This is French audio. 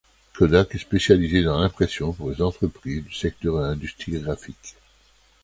Kodak est spécialisé dans l’impression pour les entreprises du secteur de l'industrie graphique.